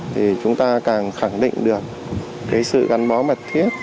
thì chúng ta càng khẳng định được cái sự gắn bó mật thiết giữa các lực lượng